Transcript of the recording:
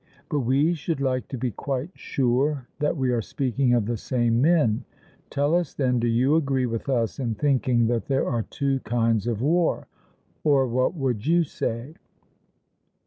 But we should like to be quite sure that we are speaking of the same men; tell us, then, do you agree with us in thinking that there are two kinds of war; or what would you say?